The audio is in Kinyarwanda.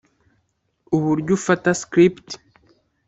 uburyo ufata script